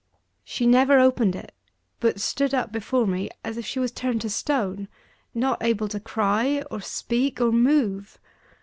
She never opened it; but stood up before me as if she was turned to stone not able to cry, or speak, or move.